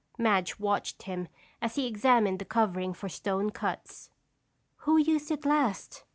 Madge watched him as he examined the covering for stone cuts. "Who used it last?"